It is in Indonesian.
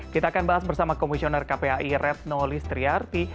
kita akan bahas bersama komisioner kpai retno listriarti